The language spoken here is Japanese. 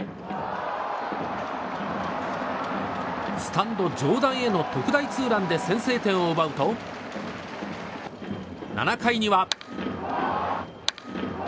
スタンド上段への特大ツーランで先制点を奪うと７回には。